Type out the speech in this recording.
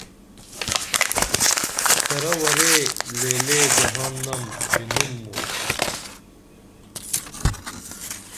ترہ ورے لےلے جہان نم بِنُم موں